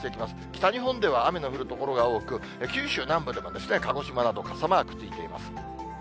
北日本では雨の降る所が多く、九州南部でも、鹿児島など傘マークついています。